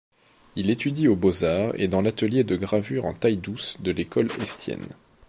Il étudie aux Beaux-Arts et dans l'atelier de gravure en taille-douce de l'École Estienne.